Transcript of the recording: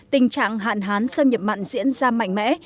tình trạng hạn hán xâm nhập mặn diễn ra mạnh mẽ